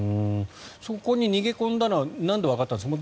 そこに逃げ込んだのはなんでわかったんですか？